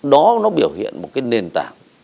đó nó biểu hiện một cái nền tảng